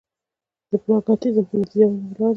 پراګماتيزم په نتيجه باندې ولاړ دی.